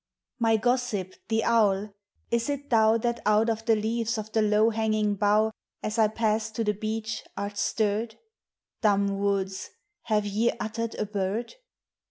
My gossip, the owl, is it thou rhat out of the leaves of the low hanging bough, A.S I pass to the beach, art stirred? Dumb woods, have ye uttered a bird?